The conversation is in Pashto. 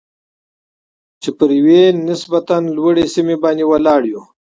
چې پر یوې نسبتاً لوړې سیمې باندې ولاړ یو.